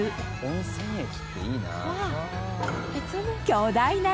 温泉駅っていいな。